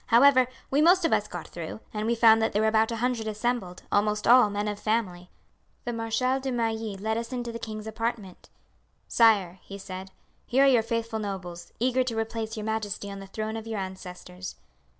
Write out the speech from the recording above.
However, we most of us got through; and we found that there were about a hundred assembled, almost all men of family. The Marshal de Mailly led us into the king's apartment. "'Sire,' he said, 'here are your faithful nobles, eager to replace your majesty on the throne of your ancestors.'